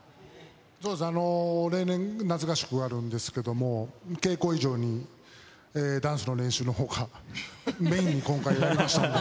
そうです、例年、夏合宿あるんですけど、稽古以上にダンスの練習のほうがメインに今回はやりました。